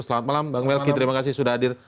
selamat malam bang melki terima kasih sudah hadir